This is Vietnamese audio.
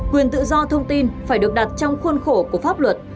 quyền tự do thông tin phải được đặt trong khuôn khổ của pháp luật